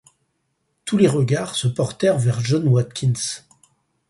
Tous les regards se portèrent vers John Watkins.